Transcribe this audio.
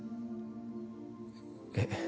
えっ？